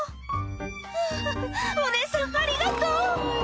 「はぁお姉さんありがとう」